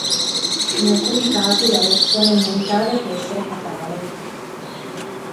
In alcuni casi la reazione immunitaria può essere fatale.